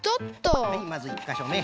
はいまず１かしょめ。